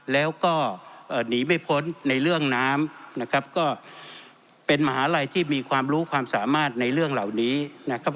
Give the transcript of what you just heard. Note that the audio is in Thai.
แล้วก็หนีไม่พ้นในเรื่องน้ำนะครับก็เป็นมหาลัยที่มีความรู้ความสามารถในเรื่องเหล่านี้นะครับ